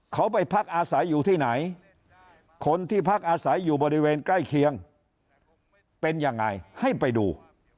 เขาไปพักอาศัยอยู่ที่ไหนคนที่พักอาศัยอยู่บริเวณใกล้เคียงเป็นยังไงให้ไปดู